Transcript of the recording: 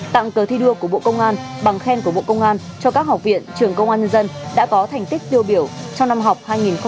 tặng cờ thi đua của bộ công an bằng khen của bộ công an cho các học viện trường công an nhân dân đã có thành tích tiêu biểu trong năm học hai nghìn hai mươi hai nghìn hai mươi